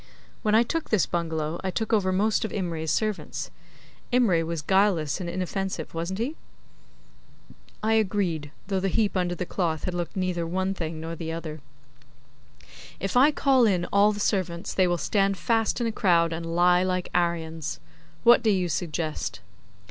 When I took this bungalow I took over most of Imray's servants. Imray was guileless and inoffensive, wasn't he?' I agreed; though the heap under the cloth had looked neither one thing nor the other. 'If I call in all the servants they will stand fast in a crowd and lie like Aryans. What do you suggest?